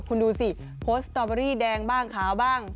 คุณดูสิโพสต์สตอเบอรี่แดงบ้างขาวบ้าง